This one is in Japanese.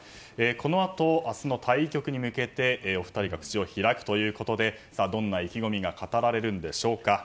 このあと明日の対局に向けてお二人が口を開くということでどんな意気込みが語られるんでしょうか。